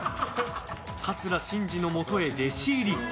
桂伸治のもとへ弟子入り。